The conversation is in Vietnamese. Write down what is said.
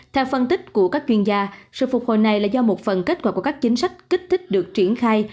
theo phân tích của các chuyên gia sự phục hồi này là do một phần kết quả của các chính sách kích thích được triển khai